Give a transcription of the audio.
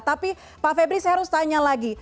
tapi pak febri saya harus tanya lagi